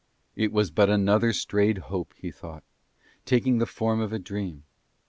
It was but another strayed hope, he thought, taking the form of dream.